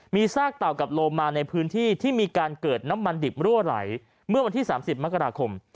มีซากเต่ากับโลมาในพื้นที่ที่มีการเกิดน้ำมันดิบรั่วไหลเมื่อวันที่๓๐มกราคม